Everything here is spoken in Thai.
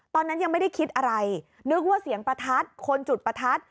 ตอนนั้นยังไม่ได้คิดอะไรนึกว่าเสียงประทัดคนจุดประทัด